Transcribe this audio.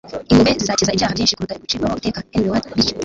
impuhwe zizakiza ibyaha byinshi kuruta gucirwaho iteka. - henry ward beecher